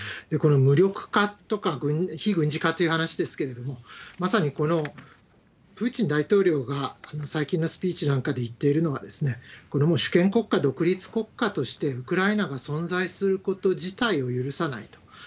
これ、無力化とか非軍事化という話ですけれども、まさにこのプーチン大統領が最近のスピーチなんかでも言っているのは、これはもう主権国家、独立国家としてウクライナが存在すること自体を許さないと。